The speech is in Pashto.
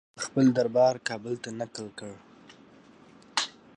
هغه خپل دربار کابل ته نقل کړ.